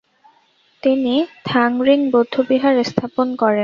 তিনি থাং-রিং বৌদ্ধবিহার স্থাপন করেন।